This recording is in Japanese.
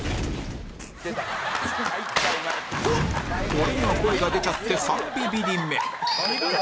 これには声が出ちゃって３ビビリ目